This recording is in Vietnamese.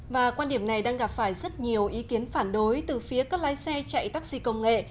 và quan điểm này đang gặp phải rất nhiều ý kiến phản đối từ phía các lái xe chạy taxi công nghệ